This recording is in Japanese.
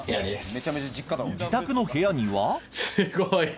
自宅の部屋にはすごい！